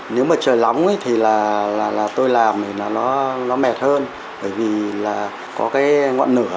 nếu mà trời lóng thì là tôi làm thì nó mệt hơn bởi vì là có cái ngọn nửa